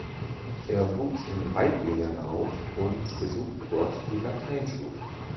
Er wuchs in Waiblingen auf und besuchte dort die Lateinschule.